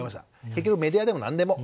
結局メディアでも何でも。